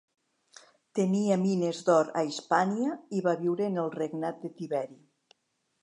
Tenia mines d'or a Hispània i va viure en el regnat de Tiberi.